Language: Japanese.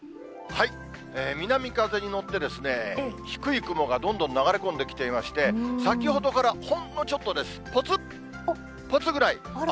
南風に乗って、低い雲がどんどん流れ込んできてまして、先ほどから、ほんのちょっとです、ぽつっ、ぽつぐらい、雨、